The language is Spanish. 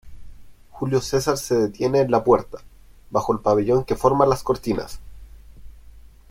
julio César se detiene en la puerta, bajo el pabellón que forman las cortinas: